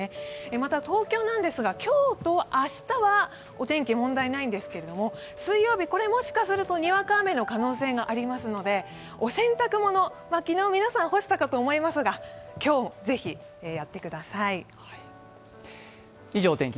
また東京なんですが、今日と明日はお天気問題ないんですけれども水曜日、もしかするとにわか雨の可能性ありますのでお洗濯物、昨日、皆さん干したかと思いますが今日もぜひ、やってください。